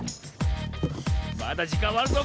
まだじかんはあるぞ！